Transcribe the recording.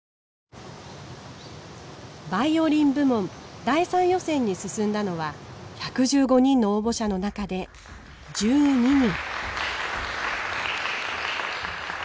バイオリン部門第３予選に進んだのは１１５人の応募者の中で１２人。